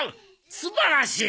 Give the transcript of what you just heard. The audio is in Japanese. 素晴らしい！